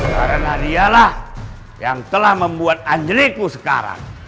karena dialah yang telah membuat anjliku sekarang